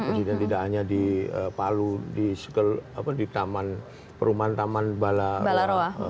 presiden tidak hanya di palu di taman perumahan taman balara